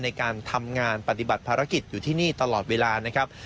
ในการทำงานปฏิบัติภารกิจอยู่ที่นี่ตลอดเวลานะครับ